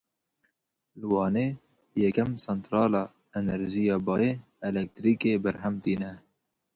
Li Wanê yekem santrala enerjiya bayê, elektrîkê berhem tîne.